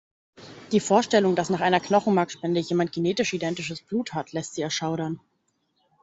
Die Vorstellung, dass nach einer Knochenmarkspende jemand genetisch identischen Blut hat, lässt sie erschaudern.